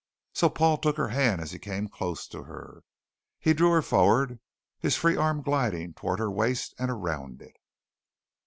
So Paul took her hand as he came close to her. He drew her forward, his free arm gliding towards her waist and around it.